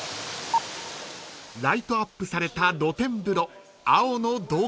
［ライトアップされた露天風呂］